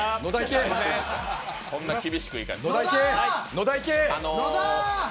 野田いけー！